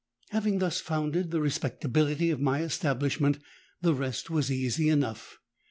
Having thus founded the respectability of my establishment, the rest was easy enough.